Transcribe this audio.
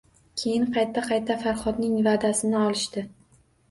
Keyin qayta-qayta Farhodning va`dasini olishdi